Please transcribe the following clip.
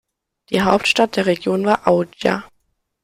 Die Hauptstadt der Region war Oujda.